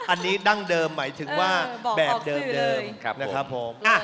อันนี้ดั้งเดิมหมายถึงว่าแบบเดิมนะครับผม